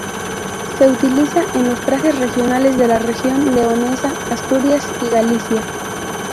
Se utiliza en los trajes regionales de la Región Leonesa, Asturias y Galicia.